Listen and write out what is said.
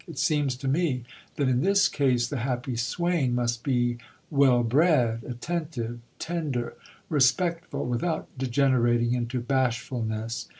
It seems to me, that in t his case the happy swain must be well bred, attentive, tender, respectful, without degenerating into bashfulness.